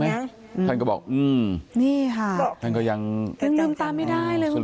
ใช่ไหมท่านก็บอกไม่งั้นค่ะท่านก็ยังเหลือลืมตามไม่ได้เลย